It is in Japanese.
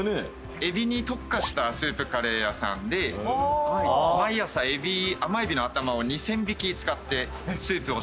エビに特化したスープカレー屋さんで毎朝甘エビの頭を２，０００匹使ってスープを仕込んでます。